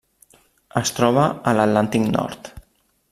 Es troba a l'Atlàntic nord: